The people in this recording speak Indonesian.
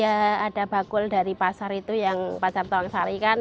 ya ada bakul dari pasar itu yang pasar tolong salikan